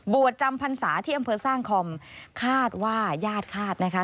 จำพรรษาที่อำเภอสร้างคอมคาดว่าญาติคาดนะคะ